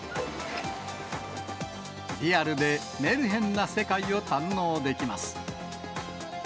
リアルでメルヘンな世界を堪能できます。